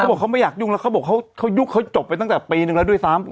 บอกเขาไม่อยากยุ่งแล้วเขาบอกเขายุ่งเขาจบไปตั้งแต่ปีนึงแล้วด้วยซ้ำ